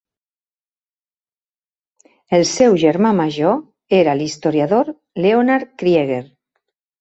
El seu germà major era l'historiador Leonard Krieger.